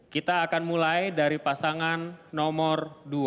kita akan mulai dari pasangan nomor dua